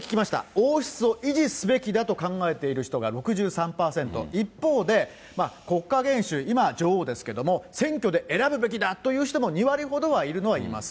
王室を維持すべきだと考えている人が６３％、一方で、国家元首、今、女王ですけれども、選挙で選ぶべきだという人も２割ほどはいるのはいます。